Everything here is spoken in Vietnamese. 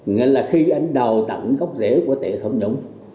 nghĩa là khi anh đào tặng góc rễ của tệ tham nhũng